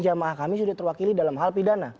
jamaah kami sudah terwakili dalam hal pidana